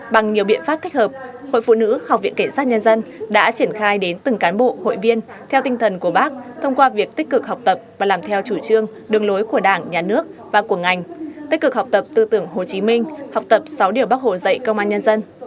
bằng nhiều biện pháp thích hợp hội phụ nữ học viện kể sát nhân dân đã triển khai đến từng cán bộ hội viên theo tinh thần của bác thông qua việc tích cực học tập và làm theo chủ trương đường lối của đảng nhà nước và của ngành tích cực học tập tư tưởng hồ chí minh học tập sáu điều bác hồ dạy công an nhân dân